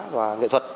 và nghệ thuật